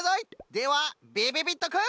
ではびびびっとくん。